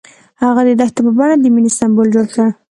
هغه د دښته په بڼه د مینې سمبول جوړ کړ.